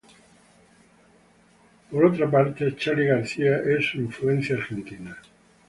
Por otra parte, Charly García es su influencia argentina.